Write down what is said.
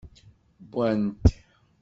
Wwant.